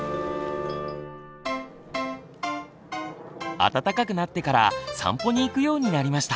暖かくなってから散歩に行くようになりました。